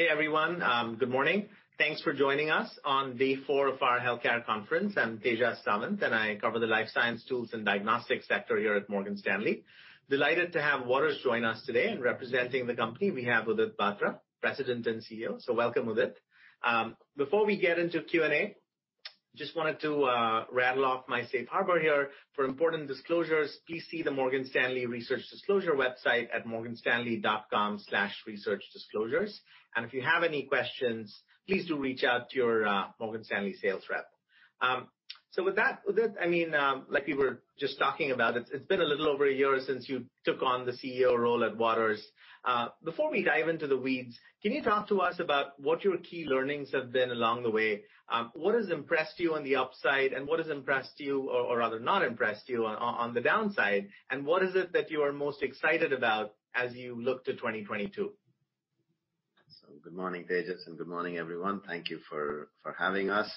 Hey, everyone. Good morning. Thanks for joining us on day four of our health care conference. I'm Tejas Savant, and I cover the life science tools and diagnostics sector here at Morgan Stanley. Delighted to have Waters join us today. And representing the company, we have Udit Batra, President and CEO. So welcome, Udit. Before we get into Q&A, I just wanted to rattle off my safe harbor here for important disclosures. Please see the Morgan Stanley Research Disclosure website at morganstanley.com/researchdisclosures. And if you have any questions, please do reach out to your Morgan Stanley sales rep. So with that, Udit, I mean, like we were just talking about, it's been a little over a year since you took on the CEO role at Waters. Before we dive into the weeds, can you talk to us about what your key learnings have been along the way? What has impressed you on the upside, and what has impressed you, or rather not impressed you, on the downside? And what is it that you are most excited about as you look to 2022? Good morning, Tejas, and good morning, everyone. Thank you for having us.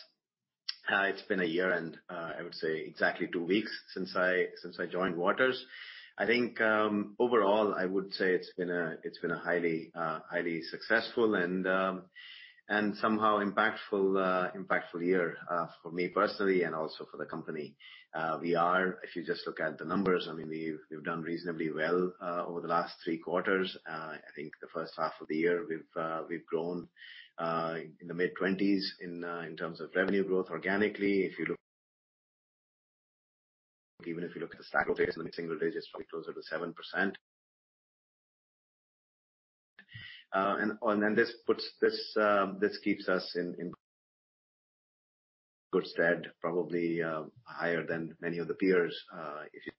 It's been a year, and I would say exactly two weeks since I joined Waters. I think overall, I would say it's been a highly successful and somehow impactful year for me personally and also for the company. We are, if you just look at the numbers, I mean, we've done reasonably well over the last three quarters. I think the first half of the year, we've grown in the mid-20s in terms of revenue growth organically. Even if you look at the staggered rates in the single digits, probably closer to 7%. And then this keeps us in good stead, probably higher than many of the peers if you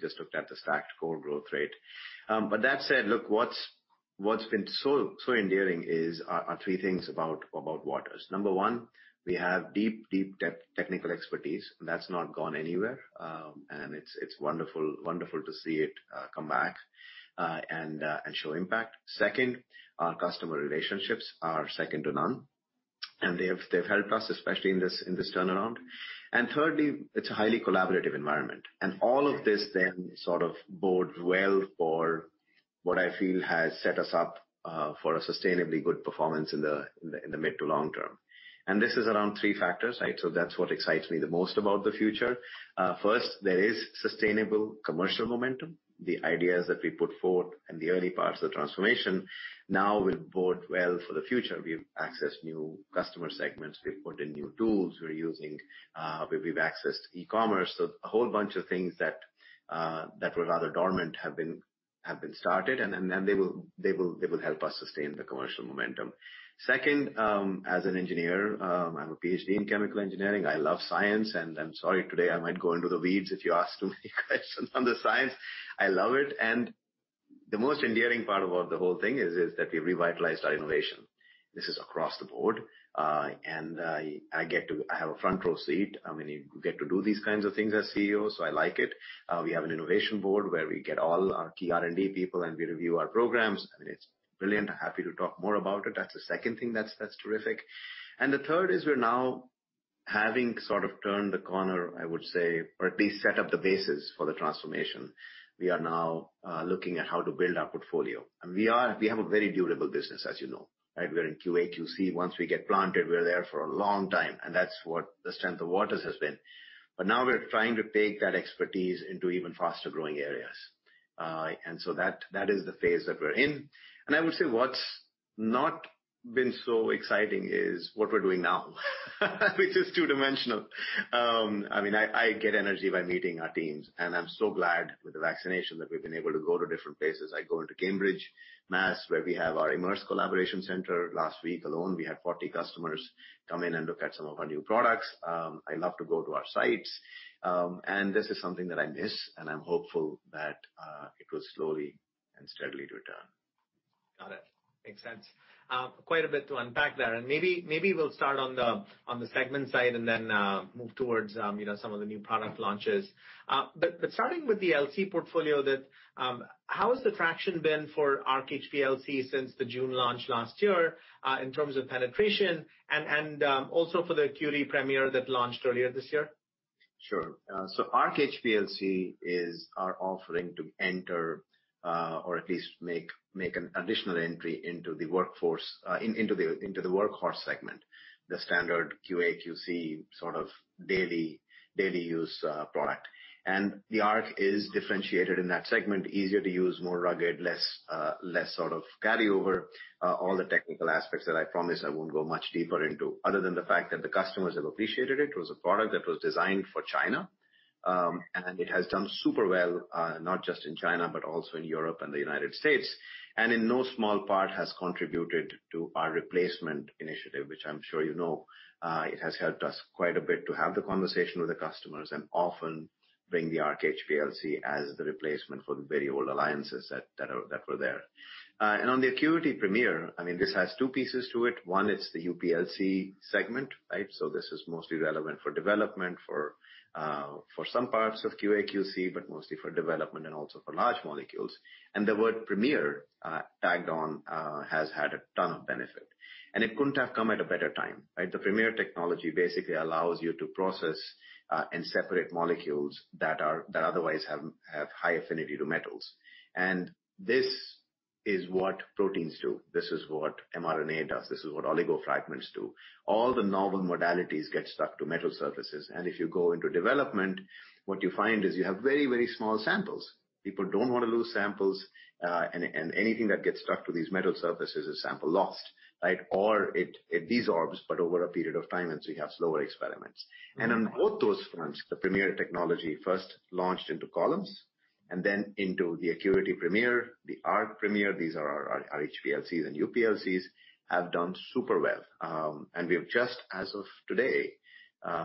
just looked at the stacked comp growth rate. But that said, look, what's been so endearing are three things about Waters. Number one, we have deep, deep technical expertise. That's not gone anywhere. And it's wonderful to see it come back and show impact. Second, our customer relationships are second to none. And they've helped us, especially in this turnaround. And thirdly, it's a highly collaborative environment. And all of this then sort of bodes well for what I feel has set us up for a sustainably good performance in the mid to long term. And this is around three factors, right? So that's what excites me the most about the future. First, there is sustainable commercial momentum. The ideas that we put forth in the early parts of the transformation now will bode well for the future. We've accessed new customer segments. We've put in new tools. We're using. We've accessed e-commerce. So a whole bunch of things that were rather dormant have been started. And then they will help us sustain the commercial momentum. Second, as an engineer, I have a PhD in chemical engineering. I love science. And I'm sorry, today, I might go into the weeds if you ask too many questions on the science. I love it. And the most endearing part about the whole thing is that we've revitalized our innovation. This is across the board. And I have a front row seat. I mean, you get to do these kinds of things as CEO, so I like it. We have an innovation board where we get all our key R&D people, and we review our programs. I mean, it's brilliant. I'm happy to talk more about it. That's the second thing. That's terrific. And the third is we're now having sort of turned the corner, I would say, or at least set up the basis for the transformation. We are now looking at how to build our portfolio. And we have a very durable business, as you know, right? We are in QA/QC. Once we get planted, we're there for a long time. And that's what the strength of Waters has been. But now we're trying to take that expertise into even faster growing areas. And so that is the phase that we're in. And I would say what's not been so exciting is what we're doing now, which is two-dimensional. I mean, I get energy by meeting our teams. And I'm so glad with the vaccination that we've been able to go to different places. I go into Cambridge, Massachusetts, where we have our Immerse Cambridge collaboration center. Last week alone, we had 40 customers come in and look at some of our new products. I love to go to our sites. This is something that I miss. I'm hopeful that it will slowly and steadily return. Got it. Makes sense. Quite a bit to unpack there. And maybe we'll start on the segment side and then move towards some of the new product launches. But starting with the LC portfolio, how has the traction been for Arc HPLC since the June launch last year in terms of penetration and also for the Arc Premier that launched earlier this year? Sure. So Arc HPLC is our offering to enter, or at least make an additional entry into the workforce, into the workhorse segment, the standard QA/QC sort of daily use product. And the Arc is differentiated in that segment, easier to use, more rugged, less sort of carryover, all the technical aspects that I promise I won't go much deeper into, other than the fact that the customers have appreciated it. It was a product that was designed for China. And it has done super well, not just in China, but also in Europe and the United States. And in no small part has contributed to our replacement initiative, which I'm sure you know. It has helped us quite a bit to have the conversation with the customers and often bring the Arc HPLC as the replacement for the very old Alliance that were there. And on the ACQUITY Premier, I mean, this has two pieces to it. One, it's the UPLC segment, right? So this is mostly relevant for development, for some parts of QA, QC, but mostly for development and also for large molecules. And the word Premier tagged on has had a ton of benefit. And it couldn't have come at a better time, right? The Premier technology basically allows you to process and separate molecules that otherwise have high affinity to metals. And this is what proteins do. This is what mRNA does. This is what oligo fragments do. All the novel modalities get stuck to metal surfaces. And if you go into development, what you find is you have very, very small samples. People don't want to lose samples. And anything that gets stuck to these metal surfaces is sample lost, right? Or it desorbs, but over a period of time, and so you have slower experiments. And on both those fronts, the Premier technology first launched into columns, and then into the ACQUITY Premier, the Arc Premier. These are our HPLCs and UPLCs have done super well. And we have just, as of today,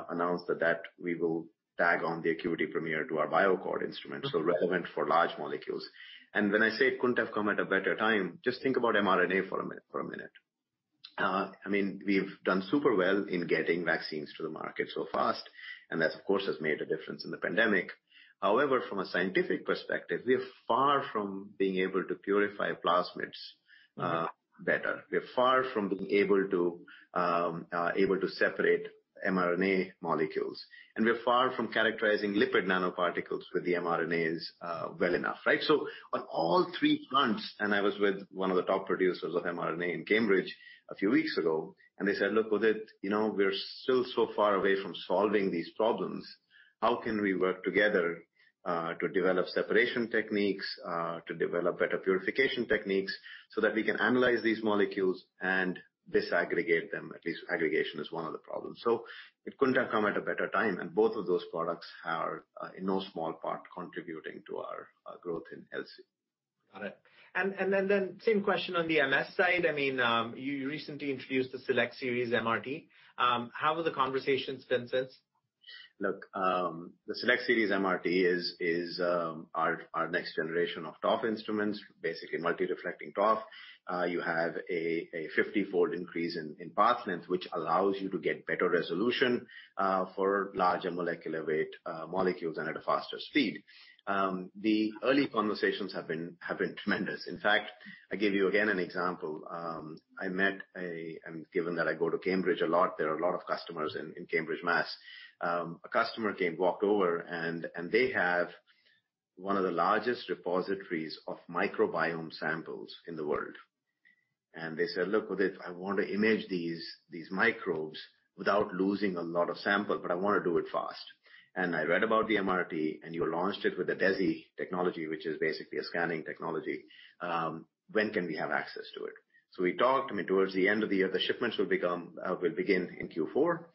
announced that we will tag on the ACQUITY Premier to our BioAccord instrument, so relevant for large molecules. And when I say it couldn't have come at a better time, just think about mRNA for a minute. I mean, we've done super well in getting vaccines to the market so fast. And that, of course, has made a difference in the pandemic. However, from a scientific perspective, we are far from being able to purify plasmids better. We are far from being able to separate mRNA molecules. We are far from characterizing lipid nanoparticles with the mRNAs well enough, right? On all three fronts, I was with one of the top producers of mRNA in Cambridge a few weeks ago. They said, "Look, Udit, we're still so far away from solving these problems. How can we work together to develop separation techniques, to develop better purification techniques so that we can analyze these molecules and disaggregate them?" At least aggregation is one of the problems. It couldn't have come at a better time. Both of those products are, in no small part, contributing to our growth in LC. Got it. And then same question on the MS side. I mean, you recently introduced the Select Series MRT. How have the conversations been since? Look, the Select Series MRT is our next generation of ToF instruments, basically multi-reflecting ToF. You have a 50-fold increase in path length, which allows you to get better resolution for larger molecular weight molecules and at a faster speed. The early conversations have been tremendous. In fact, I give you again an example. I met a, and given that I go to Cambridge a lot, there are a lot of customers in Cambridge, Mass. A customer came, walked over, and they have one of the largest repositories of microbiome samples in the world. And they said, "Look, Udit, I want to image these microbes without losing a lot of sample, but I want to do it fast, and I read about the MRT, and you launched it with a DESI technology, which is basically a scanning technology. When can we have access to it?" So we talked. I mean, towards the end of the year, the shipments will begin in Q4.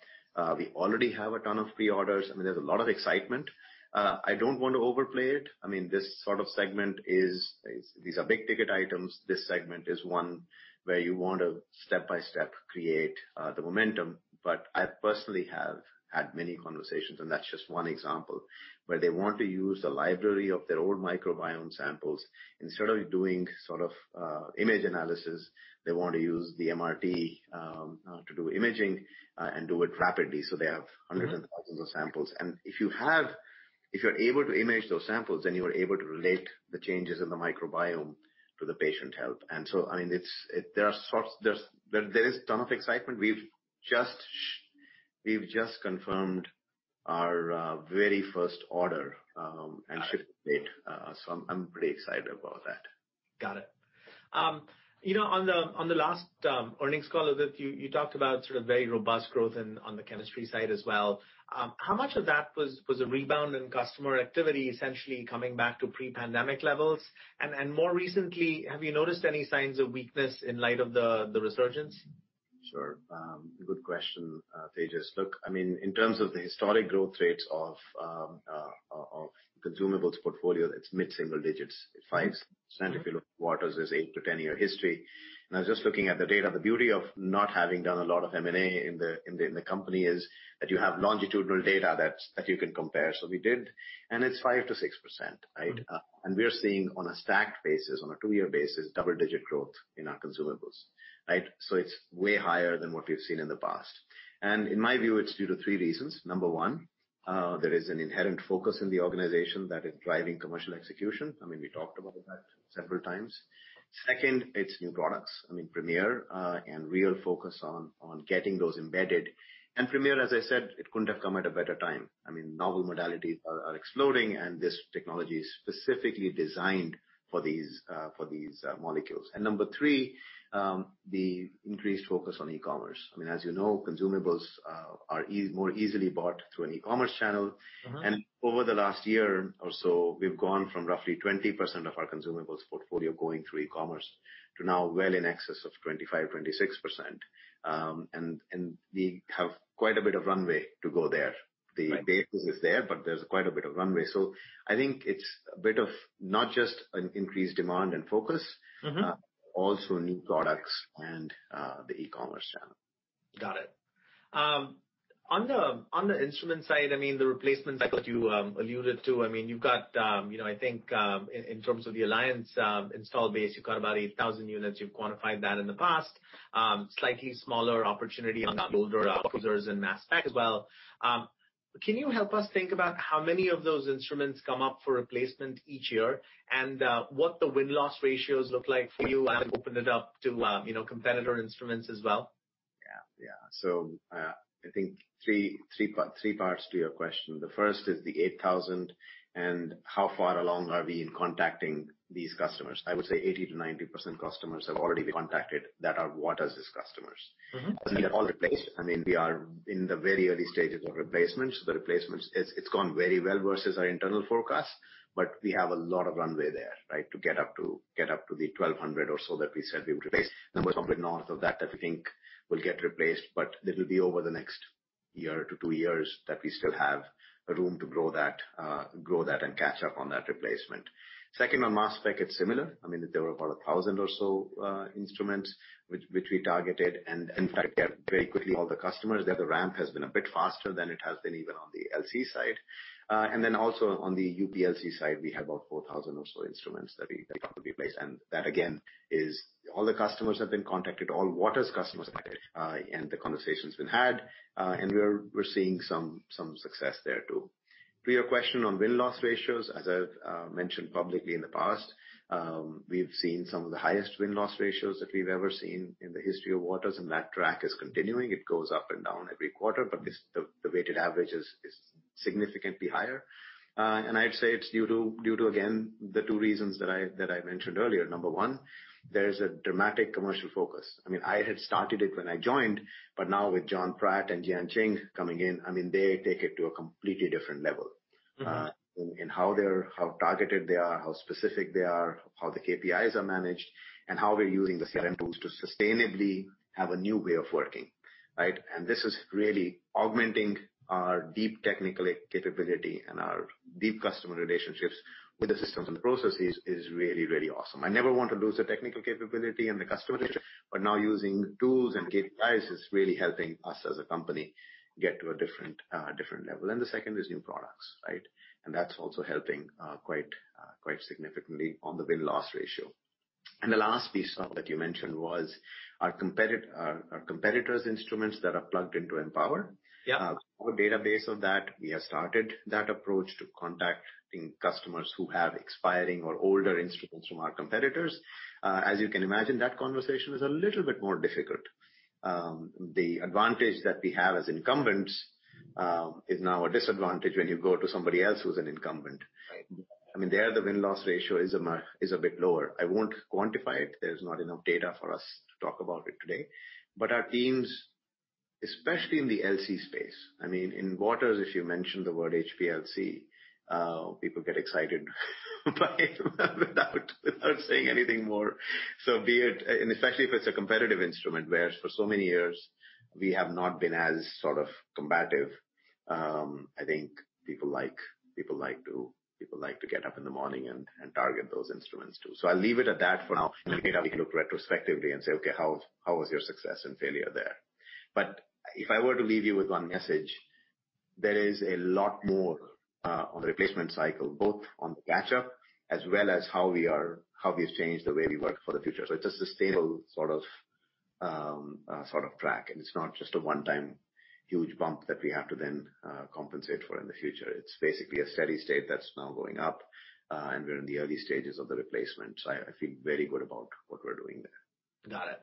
We already have a ton of pre-orders. I mean, there's a lot of excitement. I don't want to overplay it. I mean, this sort of segment is, these are big-ticket items. This segment is one where you want to step by step create the momentum. But I personally have had many conversations, and that's just one example, where they want to use the library of their old microbiome samples. Instead of doing sort of image analysis, they want to use the MRT to do imaging and do it rapidly. So they have hundreds and thousands of samples. And if you're able to image those samples, then you are able to relate the changes in the microbiome to the patient health. And so, I mean, there is a ton of excitement. We've just confirmed our very first order and shipped it. So I'm pretty excited about that. Got it. You know, on the last earnings call, Udit, you talked about sort of very robust growth on the chemistry side as well. How much of that was a rebound in customer activity, essentially coming back to pre-pandemic levels? And more recently, have you noticed any signs of weakness in light of the resurgence? Sure. Good question, Tejas. Look, I mean, in terms of the historic growth rates of consumables portfolio, it's mid-single digits. It's 5%. If you look at Waters, there's 8-10 year history, and I was just looking at the data. The beauty of not having done a lot of M&A in the company is that you have longitudinal data that you can compare, so we did, and it's 5%-6%, right? And we are seeing, on a stacked basis, on a two-year basis, double-digit growth in our consumables, right, so it's way higher than what we've seen in the past, and in my view, it's due to three reasons. Number one, there is an inherent focus in the organization that is driving commercial execution. I mean, we talked about that several times. Second, it's new products. I mean, Premier and real focus on getting those embedded. Premier, as I said, it couldn't have come at a better time. I mean, novel modalities are exploding, and this technology is specifically designed for these molecules. Number three, the increased focus on e-commerce. I mean, as you know, consumables are more easily bought through an e-commerce channel. Over the last year or so, we've gone from roughly 20% of our consumables portfolio going through e-commerce to now well in excess of 25%-26%. We have quite a bit of runway to go there. The basis is there, but there's quite a bit of runway. I think it's a bit of not just an increased demand and focus, but also new products and the e-commerce channel. Got it. On the instrument side, I mean, the replacement cycle that you alluded to, I mean, you've got, I think, in terms of the Alliance install base, you've got about 8,000 units. You've quantified that in the past. Slightly smaller opportunity on the older users in Mass Spec as well. Can you help us think about how many of those instruments come up for replacement each year and what the win-loss ratios look like for you? I've opened it up to competitor instruments as well. Yeah, yeah. So I think three parts to your question. The first is the 8,000 and how far along are we in contacting these customers? I would say 80%-90% customers have already been contacted that are Waters' customers. As in they're all replaced. I mean, we are in the very early stages of replacement. So the replacement, it's gone very well versus our internal forecast. But we have a lot of runway there, right, to get up to the 1,200 or so that we said we would replace. And we're somewhat north of that that we think will get replaced. But it will be over the next year to two years that we still have room to grow that and catch up on that replacement. Second, on Mass Spec, it's similar. I mean, there were about 1,000 or so instruments which we targeted. And in fact, they are very quickly all the customers. The ramp has been a bit faster than it has been even on the LC side. And then also on the UPLC side, we have about 4,000 or so instruments that we have to replace. And that, again, is all the customers have been contacted, all Waters customers have been contacted, and the conversations been had. And we're seeing some success there too. To your question on win-loss ratios, as I've mentioned publicly in the past, we've seen some of the highest win-loss ratios that we've ever seen in the history of Waters. And that track is continuing. It goes up and down every quarter, but the weighted average is significantly higher. And I'd say it's due to, again, the two reasons that I mentioned earlier. Number one, there is a dramatic commercial focus. I mean, I had started it when I joined, but now with Jon Pratt and Jianqing coming in, I mean, they take it to a completely different level in how targeted they are, how specific they are, how the KPIs are managed, and how we're using the CRM tools to sustainably have a new way of working, right? And this is really augmenting our deep technical capability and our deep customer relationships with the systems and the processes is really, really awesome. I never want to lose the technical capability and the customer relationship. But now using tools and KPIs is really helping us as a company get to a different level. And the second is new products, right? And that's also helping quite significantly on the win-loss ratio. And the last piece that you mentioned was our competitors' instruments that are plugged into Empower. Our database of that, we have started that approach to contacting customers who have expiring or older instruments from our competitors. As you can imagine, that conversation is a little bit more difficult. The advantage that we have as incumbents is now a disadvantage when you go to somebody else who's an incumbent. I mean, there, the win-loss ratio is a bit lower. I won't quantify it. There's not enough data for us to talk about it today. But our teams, especially in the LC space, I mean, in Waters, if you mention the word HPLC, people get excited without saying anything more. So be it, and especially if it's a competitive instrument, where for so many years we have not been as sort of combative. I think people like to get up in the morning and target those instruments too. So I'll leave it at that for now. We look retrospectively and say, "Okay, how was your success and failure there?", but if I were to leave you with one message, there is a lot more on the replacement cycle, both on the catch-up as well as how we've changed the way we work for the future, so it's a sustainable sort of track, and it's not just a one-time huge bump that we have to then compensate for in the future. It's basically a steady state that's now going up, and we're in the early stages of the replacement, so I feel very good about what we're doing there. Got it.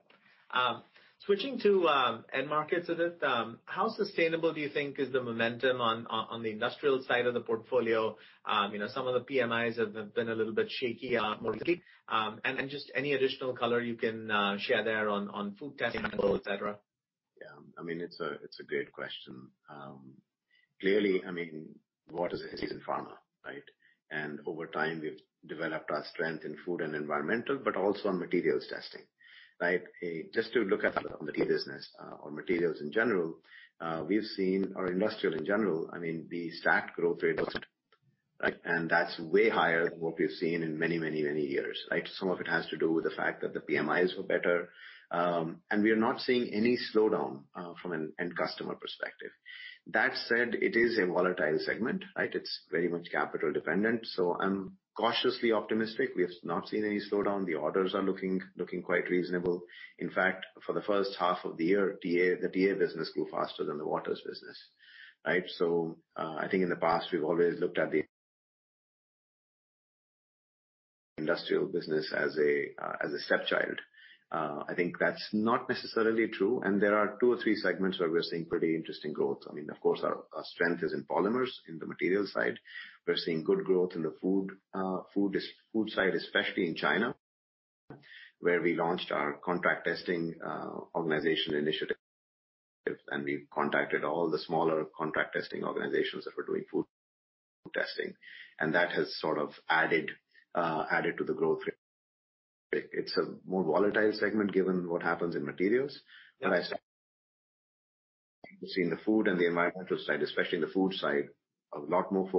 Switching to end markets, Udit, how sustainable do you think is the momentum on the industrial side of the portfolio? Some of the PMIs have been a little bit shaky more recently, and just any additional color you can share there on food testing, etc.? Yeah. I mean, it's a great question. Clearly, I mean, Waters is a seasoned performer, right? And over time, we've developed our strength in food and environmental, but also on materials testing, right? Just to look at the pharma business or materials in general, we've seen our industrial in general, I mean, the strong growth rate looks good, right? And that's way higher than what we've seen in many, many, many years, right? Some of it has to do with the fact that the PMIs were better. And we are not seeing any slowdown from an end customer perspective. That said, it is a volatile segment, right? It's very much capital dependent. So I'm cautiously optimistic. We have not seen any slowdown. The orders are looking quite reasonable. In fact, for the first half of the year, the TA business grew faster than the Waters business, right? So I think in the past, we've always looked at the industrial business as a stepchild. I think that's not necessarily true. And there are two or three segments where we're seeing pretty interesting growth. I mean, of course, our strength is in polymers in the materials side. We're seeing good growth in the food side, especially in China, where we launched our contract testing organization initiative. And we've contacted all the smaller contract testing organizations that were doing food testing. And that has sort of added to the growth rate. It's a more volatile segment given what happens in materials. But we've seen the food and the environmental side, especially in the food side, a lot more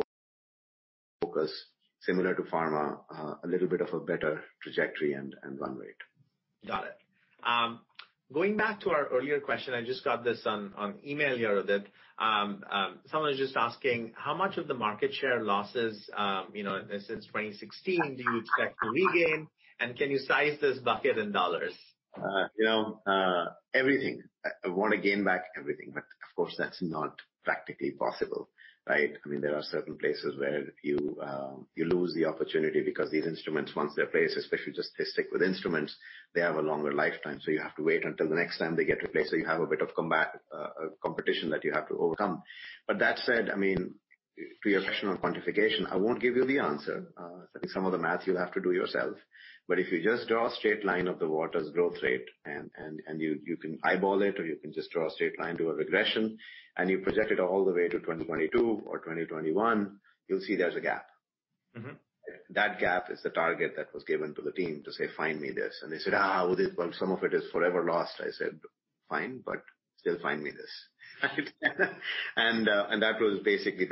focus, similar to pharma, a little bit of a better trajectory and run rate. Got it. Going back to our earlier question, I just got this on email here, Udit. Someone was just asking how much of the market share losses since 2016 do you expect to regain, and can you size this bucket in dollars? You know, everything. I want to gain back everything. But of course, that's not practically possible, right? I mean, there are certain places where you lose the opportunity because these instruments, once they're placed, especially just stick with instruments, they have a longer lifetime. So you have to wait until the next time they get replaced. So you have a bit of competition that you have to overcome. But that said, I mean, to your question on quantification, I won't give you the answer. I think some of the math you'll have to do yourself. But if you just draw a straight line of the Waters growth rate and you can eyeball it, or you can just draw a straight line to a regression, and you project it all the way to 2022 or 2021, you'll see there's a gap. That gap is the target that was given to the team to say, "Find me this." And they said, "Udit, some of it is forever lost." I said, "Fine, but still find me this." And that was basically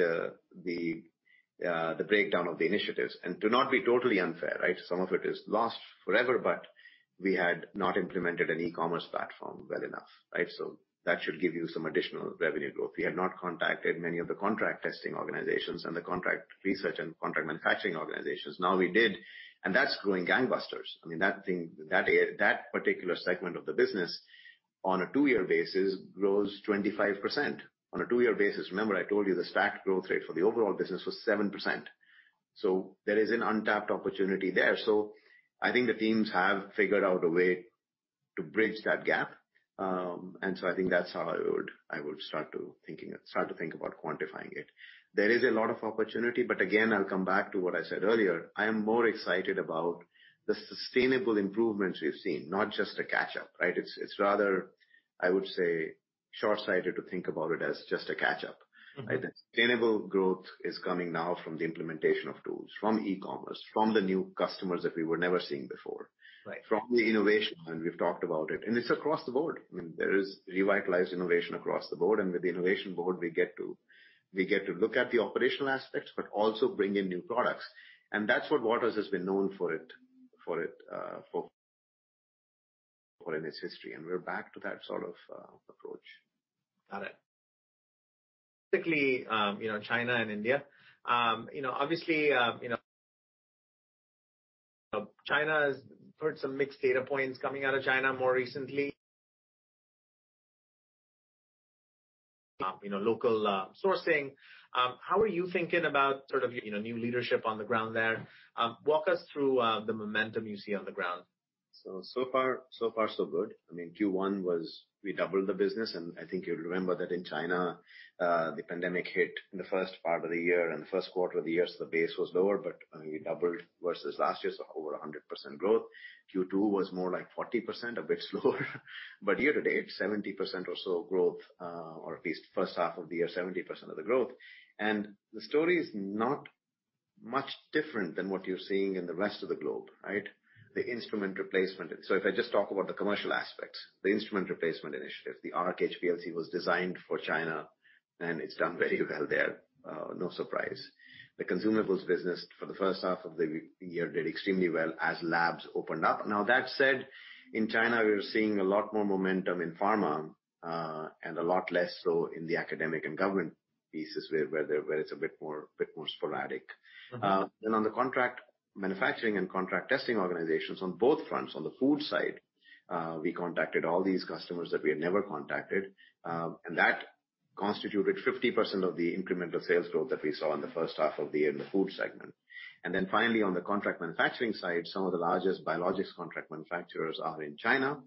the breakdown of the initiatives. And to not be totally unfair, right? Some of it is lost forever, but we had not implemented an e-commerce platform well enough, right? So that should give you some additional revenue growth. We had not contacted many of the contract testing organizations and the contract research and contract manufacturing organizations. Now we did. And that's growing gangbusters. I mean, that particular segment of the business on a two-year basis grows 25%. On a two-year basis, remember I told you the stacked growth rate for the overall business was 7%. So there is an untapped opportunity there. So I think the teams have figured out a way to bridge that gap. And so I think that's how I would start to think about quantifying it. There is a lot of opportunity. But again, I'll come back to what I said earlier. I am more excited about the sustainable improvements we've seen, not just a catch-up, right? It's rather, I would say, short-sighted to think about it as just a catch-up. The sustainable growth is coming now from the implementation of tools, from e-commerce, from the new customers that we were never seeing before, from the innovation. And we've talked about it. And it's across the board. I mean, there is revitalized innovation across the board. And with the innovation board, we get to look at the operational aspects, but also bring in new products. And that's what Waters has been known for in its history. We're back to that sort of approach. Got it. Basically, China and India. Obviously, we've heard some mixed data points coming out of China more recently, local sourcing. How are you thinking about sort of new leadership on the ground there? Walk us through the momentum you see on the ground. So far, so good. I mean, Q1 was we doubled the business, and I think you'll remember that in China, the pandemic hit in the first part of the year and the first quarter of the year, so the base was lower, but I mean, we doubled versus last year, so over 100% growth. Q2 was more like 40%, a bit slower, but year to date, 70% or so growth, or at least first half of the year, 70% of the growth, and the story is not much different than what you're seeing in the rest of the globe, right? The instrument replacement, so if I just talk about the commercial aspects, the instrument replacement initiative, the Arc HPLC was designed for China, and it's done very well there. No surprise. The consumables business for the first half of the year did extremely well as labs opened up. Now, that said, in China, we're seeing a lot more momentum in pharma and a lot less so in the academic and government pieces where it's a bit more sporadic. Then on the contract manufacturing and contract testing organizations, on both fronts, on the food side, we contacted all these customers that we had never contacted. And that constituted 50% of the incremental sales growth that we saw in the first half of the year in the food segment. And then finally, on the contract manufacturing side, some of the largest biologics contract manufacturers are in China,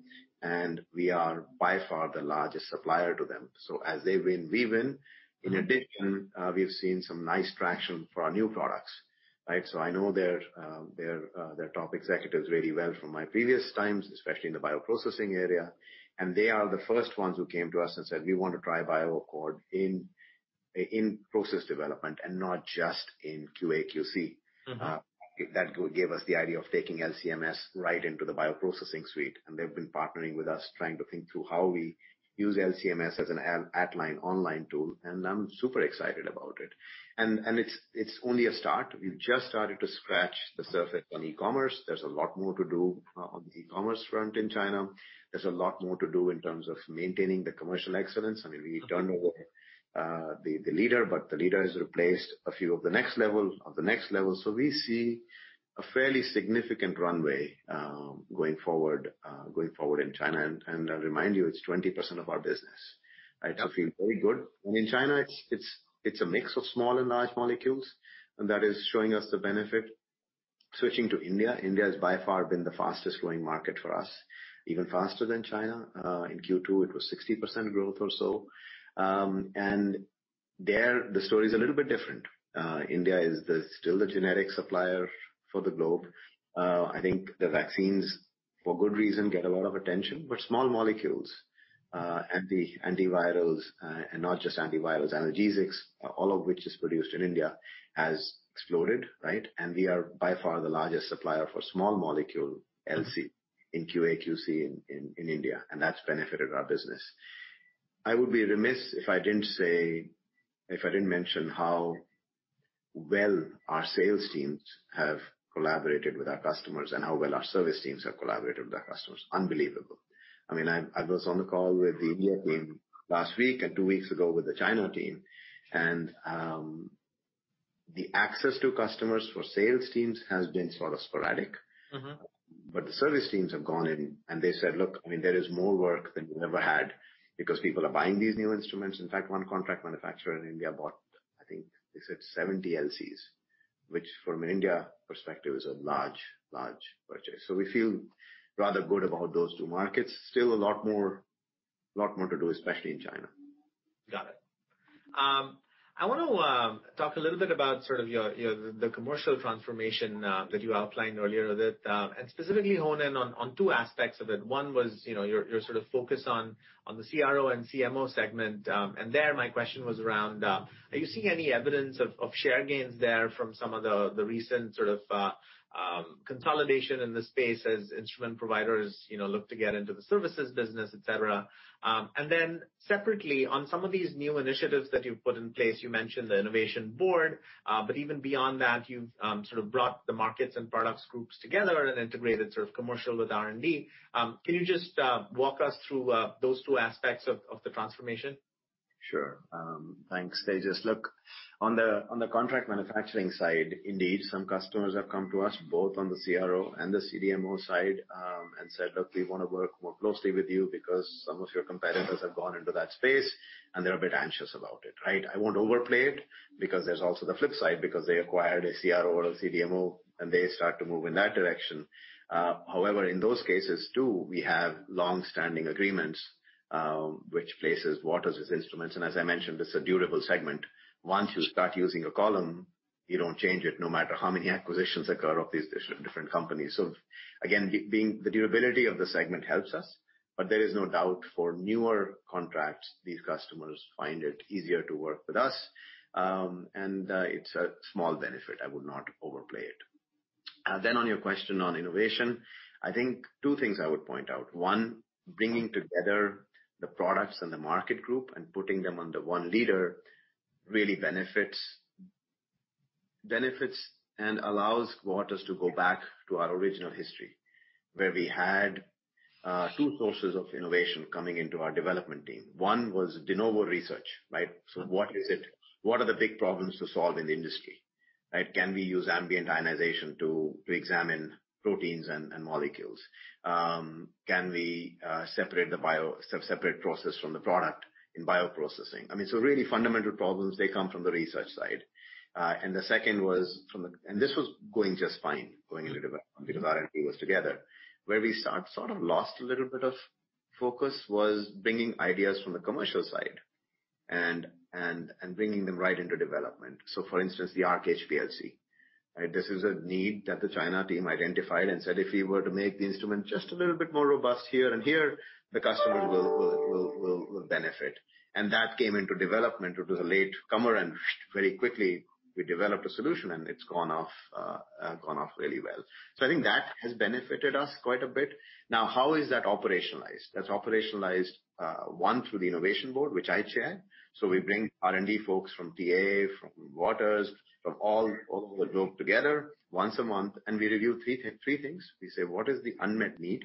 and we are by far the largest supplier to them. So as they win, we win. In addition, we've seen some nice traction for our new products, right? So I know their top executives really well from my previous times, especially in the bioprocessing area. They are the first ones who came to us and said, "We want to try BioAccord in process development and not just in QA/QC." That gave us the idea of taking LCMS right into the bioprocessing suite. They've been partnering with us, trying to think through how we use LCMS as an at-line, online tool. I'm super excited about it. It's only a start. We've just started to scratch the surface on e-commerce. There's a lot more to do on the e-commerce front in China. There's a lot more to do in terms of maintaining the commercial excellence. I mean, we turned over the leader, but the leader has replaced a few of the next level of the next level. We see a fairly significant runway going forward in China. I'll remind you, it's 20% of our business, right? So feel very good. And in China, it's a mix of small and large molecules. And that is showing us the benefit. Switching to India, India has by far been the fastest-growing market for us, even faster than China. In Q2, it was 60% growth or so. And there, the story is a little bit different. India is still the generic supplier for the globe. I think the vaccines, for good reason, get a lot of attention. But small molecules and the antivirals, and not just antivirals, analgesics, all of which are produced in India, have exploded, right? And we are by far the largest supplier for small molecule LC in QA/QC in India. And that's benefited our business. I would be remiss if I didn't mention how well our sales teams have collaborated with our customers and how well our service teams have collaborated with our customers. Unbelievable. I mean, I was on the call with the India team last week and two weeks ago with the China team. And the access to customers for sales teams has been sort of sporadic. But the service teams have gone in and they said, "Look, I mean, there is more work than we ever had because people are buying these new instruments." In fact, one contract manufacturer in India bought, I think they said, 70 LCs, which from an India perspective is a large, large purchase. So we feel rather good about those two markets. Still a lot more to do, especially in China. Got it. I want to talk a little bit about sort of the commercial transformation that you outlined earlier, Udit, and specifically hone in on two aspects of it. One was your sort of focus on the CRO and CMO segment. And there, my question was around, are you seeing any evidence of share gains there from some of the recent sort of consolidation in the space as instrument providers look to get into the services business, etc.? And then separately, on some of these new initiatives that you've put in place, you mentioned the innovation board. But even beyond that, you've sort of brought the markets and products groups together and integrated sort of commercial with R&D. Can you just walk us through those two aspects of the transformation? Sure. Thanks, Tejas. Look, on the contract manufacturing side, indeed, some customers have come to us both on the CRO and the CDMO side and said, "Look, we want to work more closely with you because some of your competitors have gone into that space, and they're a bit anxious about it," right? I won't overplay it because there's also the flip side because they acquired a CRO or a CDMO, and they start to move in that direction. However, in those cases too, we have long-standing agreements which places Waters as instruments, and as I mentioned, it's a durable segment. Once you start using a column, you don't change it no matter how many acquisitions occur of these different companies. So again, the durability of the segment helps us. But there is no doubt for newer contracts, these customers find it easier to work with us. It's a small benefit. I would not overplay it. On your question on innovation, I think two things I would point out. One, bringing together the products and the market group and putting them under one leader really benefits and allows Waters to go back to our original history where we had two sources of innovation coming into our development team. One was de novo research, right? So what is it? What are the big problems to solve in the industry, right? Can we use ambient ionization to examine proteins and molecules? Can we separate the separate process from the product in bioprocessing? I mean, so really fundamental problems, they come from the research side. And the second was from the, and this was going just fine, going into development because R&D was together, where we sort of lost a little bit of focus was bringing ideas from the commercial side and bringing them right into development. So for instance, the Arc HPLC, right? This is a need that the China team identified and said, "If we were to make the instrument just a little bit more robust here and here, the customers will benefit." And that came into development due to the late comer and very quickly we developed a solution, and it's gone off really well. So I think that has benefited us quite a bit. Now, how is that operationalized? That's operationalized, one, through the innovation board, which I chair. So we bring R&D folks from TA, from Waters, from all the group together once a month, and we review three things. We say, "What is the unmet need?"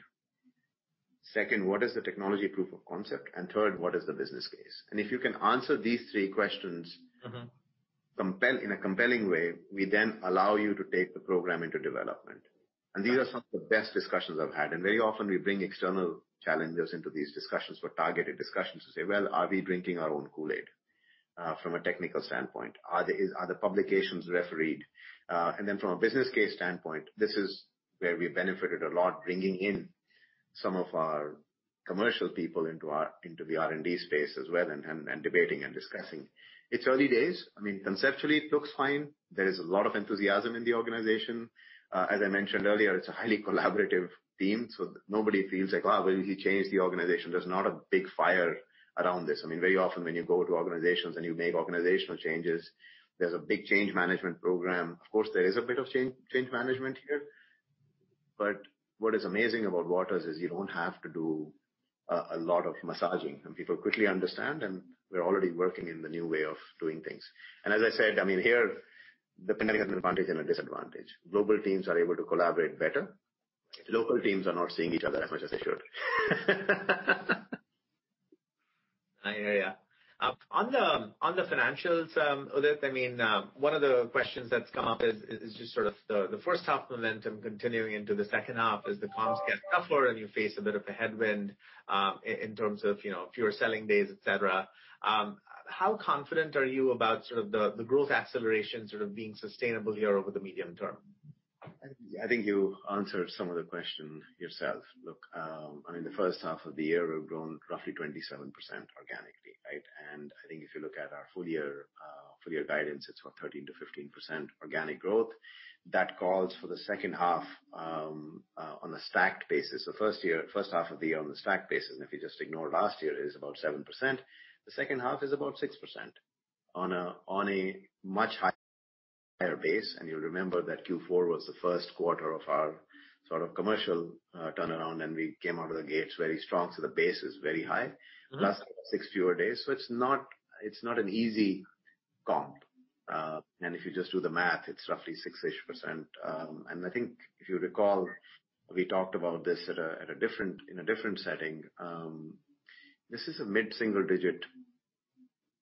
Second, what is the technology proof of concept? And third, what is the business case? And if you can answer these three questions in a compelling way, we then allow you to take the program into development. And these are some of the best discussions I've had. And very often, we bring external challengers into these discussions for targeted discussions to say, "Well, are we drinking our own Kool-Aid from a technical standpoint? Are the publications refereed?" And then from a business case standpoint, this is where we benefited a lot, bringing in some of our commercial people into the R&D space as well and debating and discussing. It's early days. I mean, conceptually, it looks fine. There is a lot of enthusiasm in the organization. As I mentioned earlier, it's a highly collaborative team. So nobody feels like we changed the organization." There's not a big furor around this. I mean, very often when you go to organizations and you make organizational changes, there's a big change management program. Of course, there is a bit of change management here. But what is amazing about Waters is you don't have to do a lot of massaging. And people quickly understand, and we're already working in the new way of doing things. And as I said, I mean, here, the pandemic has been an advantage and a disadvantage. Global teams are able to collaborate better. Local teams are not seeing each other as much as they should. I hear you. On the financials, Udit, I mean, one of the questions that's come up is just sort of the first half momentum continuing into the second half as the comps get tougher and you face a bit of a headwind in terms of fewer selling days, etc. How confident are you about sort of the growth acceleration sort of being sustainable here over the medium term? I think you answered some of the question yourself. Look, I mean, the first half of the year, we've grown roughly 27% organically, right? And I think if you look at our full-year guidance, it's for 13%-15% organic growth. That calls for the second half on a stacked basis. The first half of the year on the stacked basis, and if you just ignore last year, is about 7%. The second half is about 6% on a much higher base. And you'll remember that Q4 was the first quarter of our sort of commercial turnaround, and we came out of the gates very strong. So the base is very high, plus six fewer days. So it's not an easy comp. And if you just do the math, it's roughly 6-ish%. And I think if you recall, we talked about this in a different setting. This is a mid-single-digit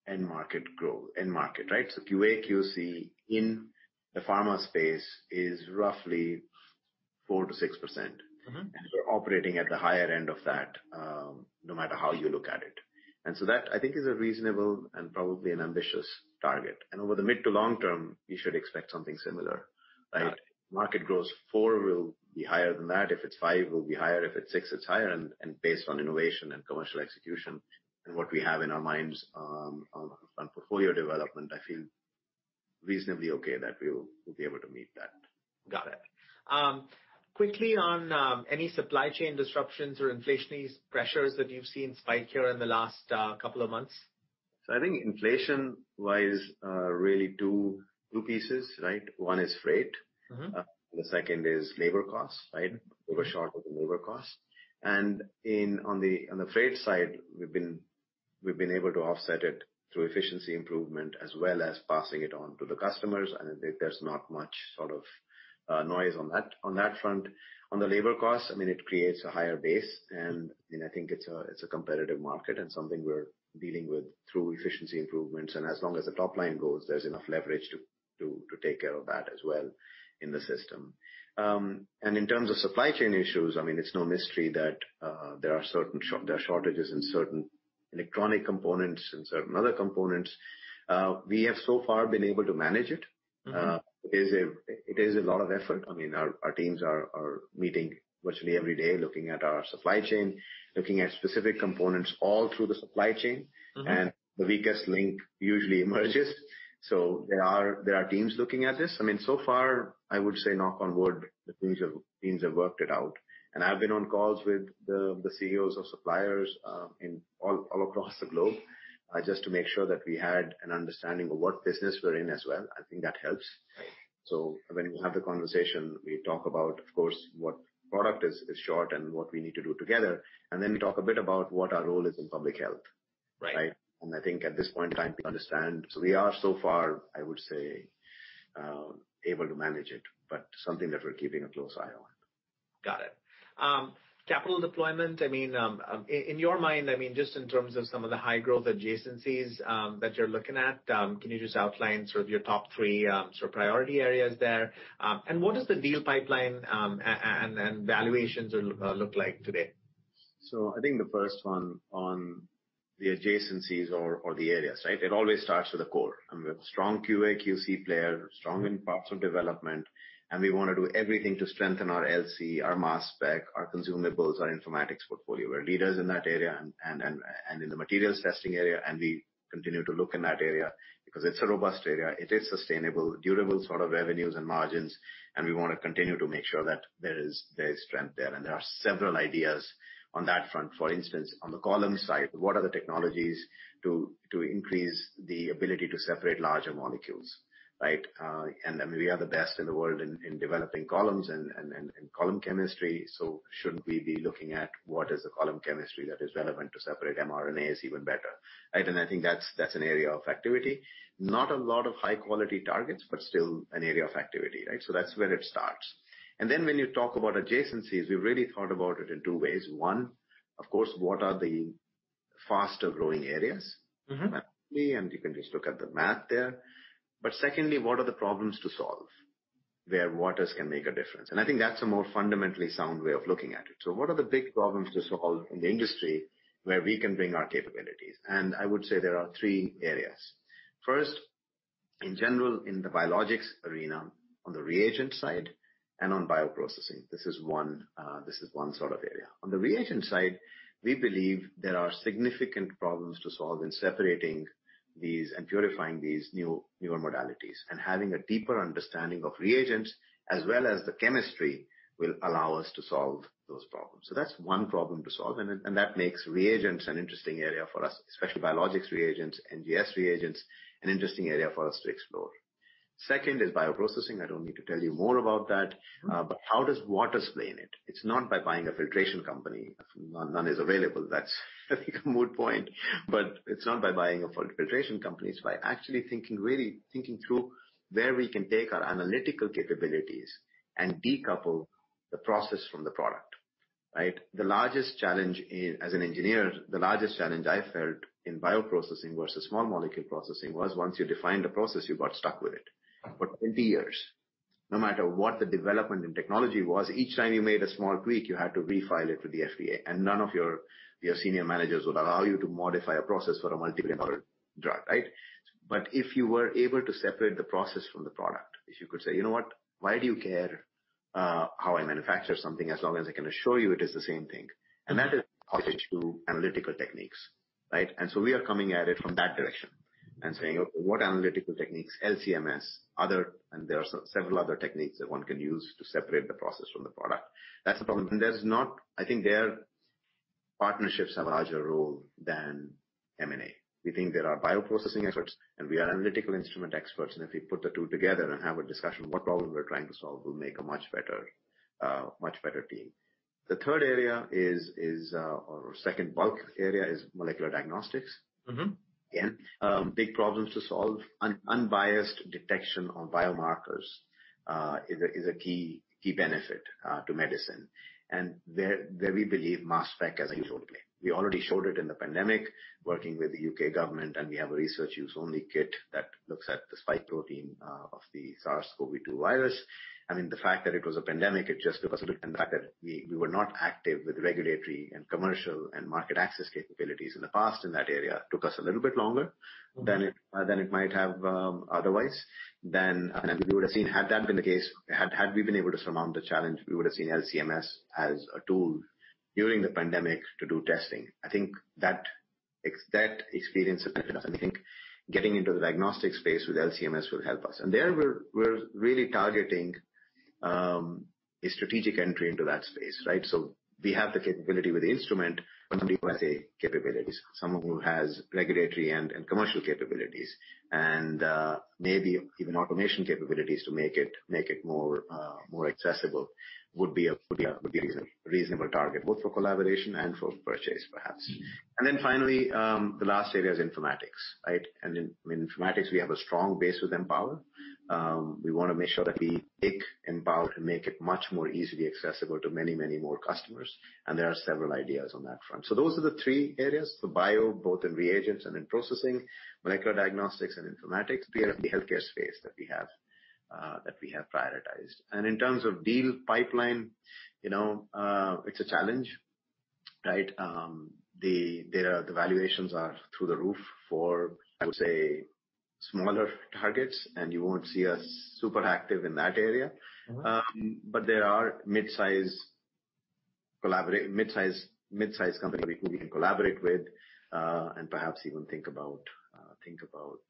end market growth, end market, right? So QA/QC in the pharma space is roughly 4%-6%. And we're operating at the higher end of that no matter how you look at it. And so that, I think, is a reasonable and probably an ambitious target. And over the mid to long term, you should expect something similar, right? Market growth, 4 will be higher than that. If it's 5, it will be higher. If it's 6, it's higher. And based on innovation and commercial execution and what we have in our minds on portfolio development, I feel reasonably okay that we'll be able to meet that. Got it. Quickly on any supply chain disruptions or inflationary pressures that you've seen spike here in the last couple of months? So, I think inflation-wise, there are really two pieces, right? One is freight. The second is labor costs, right? Overshot with the labor costs. And on the freight side, we've been able to offset it through efficiency improvement as well as passing it on to the customers. And there's not much sort of noise on that front. On the labor costs, I mean, it creates a higher base. And I think it's a competitive market and something we're dealing with through efficiency improvements. And as long as the top line grows, there's enough leverage to take care of that as well in the system. And in terms of supply chain issues, I mean, it's no mystery that there are shortages in certain electronic components and certain other components. We have so far been able to manage it. It is a lot of effort. I mean, our teams are meeting virtually every day looking at our supply chain, looking at specific components all through the supply chain. And the weakest link usually emerges. So there are teams looking at this. I mean, so far, I would say knock on wood, the teams have worked it out. And I've been on calls with the CEOs of suppliers all across the globe just to make sure that we had an understanding of what business we're in as well. I think that helps. So when we have the conversation, we talk about, of course, what product is short and what we need to do together. And then we talk a bit about what our role is in public health, right? And I think at this point in time, we understand. We are so far, I would say, able to manage it, but something that we're keeping a close eye on. Got it. Capital deployment, I mean, in your mind, I mean, just in terms of some of the high-growth adjacencies that you're looking at, can you just outline sort of your top three sort of priority areas there? And what does the deal pipeline and valuations look like today? So I think the first one on the adjacencies or the areas, right? It always starts with the core. I mean, we have a strong QA/QC player, strong in parts of development, and we want to do everything to strengthen our LC, our mass spec, our consumables, our informatics portfolio. We're leaders in that area and in the materials testing area. And we continue to look in that area because it's a robust area. It is sustainable, durable sort of revenues and margins. And we want to continue to make sure that there is strength there. And there are several ideas on that front. For instance, on the column side, what are the technologies to increase the ability to separate larger molecules, right? And we are the best in the world in developing columns and column chemistry. So shouldn't we be looking at what is the column chemistry that is relevant to separate mRNAs even better, right? And I think that's an area of activity. Not a lot of high-quality targets, but still an area of activity, right? So that's where it starts. And then when you talk about adjacencies, we've really thought about it in two ways. One, of course, what are the faster-growing areas? And you can just look at the math there. But secondly, what are the problems to solve where Waters can make a difference? And I think that's a more fundamentally sound way of looking at it. So what are the big problems to solve in the industry where we can bring our capabilities? And I would say there are three areas. First, in general, in the biologics arena, on the reagent side and on bioprocessing, this is one sort of area. On the reagent side, we believe there are significant problems to solve in separating these and purifying these newer modalities, and having a deeper understanding of reagents as well as the chemistry will allow us to solve those problems, so that's one problem to solve, and that makes reagents an interesting area for us, especially biologics reagents, NGS reagents, an interesting area for us to explore. Second is bioprocessing. I don't need to tell you more about that, but how does Waters play in it? It's not by buying a filtration company. None is available. That's a moot point. It's by actually thinking through where we can take our analytical capabilities and decouple the process from the product, right? The largest challenge as an engineer, the largest challenge I felt in bioprocessing versus small molecule processing was once you defined a process, you got stuck with it for 20 years. No matter what the development and technology was, each time you made a small tweak, you had to refile it to the FDA. And none of your senior managers would allow you to modify a process for a multigenerational drug, right? But if you were able to separate the process from the product, if you could say, "You know what? Why do you care how I manufacture something as long as I can assure you it is the same thing?" And that is an issue of analytical techniques, right? And so we are coming at it from that direction and saying, "Okay, what analytical techniques, LC-MS, other," and there are several other techniques that one can use to separate the process from the product. That's the problem. And I think their partnerships have a larger role than M&A. We think there are bioprocessing experts, and we are analytical instrument experts. And if we put the two together and have a discussion of what problem we're trying to solve, we'll make a much better team. The third area is, or second big area, is molecular diagnostics. Again, big problems to solve. Unbiased detection of biomarkers is a key benefit to medicine. And we believe mass spec has a huge game. We already showed it in the pandemic, working with the U.K. government, and we have a research use-only kit that looks at the spike protein of the SARS-CoV-2 virus. I mean, the fact that it was a pandemic, it just because of the fact that we were not active with regulatory and commercial and market access capabilities in the past in that area took us a little bit longer than it might have otherwise. And we would have seen, had that been the case, had we been able to surmount the challenge, we would have seen LCMS as a tool during the pandemic to do testing. I think that experience has been enough. I think getting into the diagnostic space with LCMS will help us. And there we're really targeting a strategic entry into that space, right? So we have the capability with the instrument, but somebody who has a capability, someone who has regulatory and commercial capabilities, and maybe even automation capabilities to make it more accessible would be a reasonable target, both for collaboration and for purchase, perhaps. And then finally, the last area is informatics, right? And in informatics, we have a strong base with Empower. We want to make sure that we take Empower and make it much more easily accessible to many, many more customers. And there are several ideas on that front. So those are the three areas: the bio, both in reagents and in processing, molecular diagnostics, and informatics. The healthcare space that we have prioritized. And in terms of deal pipeline, it's a challenge, right? The valuations are through the roof for, I would say, smaller targets, and you won't see us super active in that area. But there are mid-size companies who we can collaborate with and perhaps even think about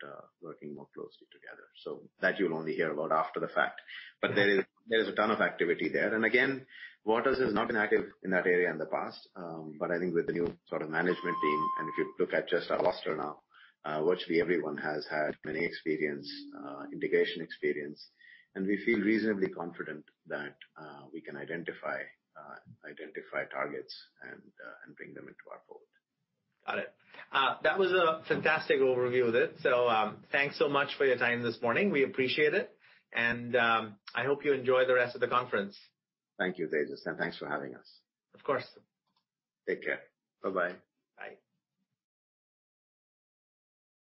working more closely together. So that you'll only hear about after the fact. But there is a ton of activity there. And again, Waters has not been active in that area in the past. But I think with the new sort of management team, and if you look at just our roster now, virtually everyone has had M&A experience, integration experience. And we feel reasonably confident that we can identify targets and bring them into our fold. Got it. That was a fantastic overview of it. So thanks so much for your time this morning. We appreciate it. And I hope you enjoy the rest of the conference. Thank you, Tejas. And thanks for having us. Of course. Take care. Bye-bye. Bye.